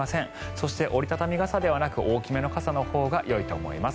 そして、折り畳み傘ではなく大きめの傘のほうがよいと思います。